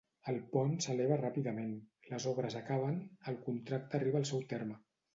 El pont s'eleva ràpidament, les obres acaben, el contracte arriba al seu terme.